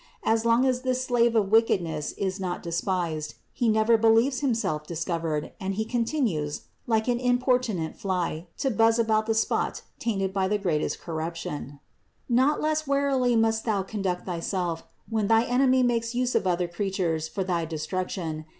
As long as this slave of wickedness is not despised, he never believes himself dis covered and he continues, like an importunate fly, to buzz about the spot tainted by the greatest corruption. 358. Not less warily must thou conduct thyself, when thy enemy makes use of other creatures for thy destruc tion.